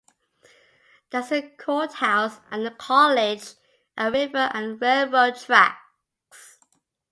There's a courthouse and a college, a river and railroad tracks.